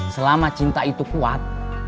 selama cinta itu kuat